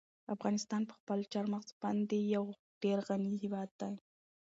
افغانستان په خپلو چار مغز باندې یو ډېر غني هېواد دی.